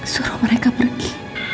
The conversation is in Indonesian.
suruh mereka pergi